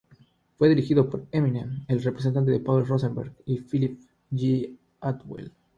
Fue dirigido por Eminem, su representante Paul Rosenberg y Phillip G. Atwell.